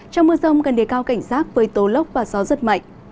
trong mưa rông cần đề cao cảnh rác với tố lốc và gió giật mạnh